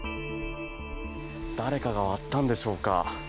誰かが割ったんでしょうか。